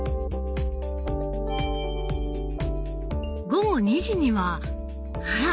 午後２時にはあら！